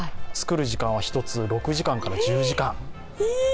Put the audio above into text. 作る時間は１つ６時間から１０時間。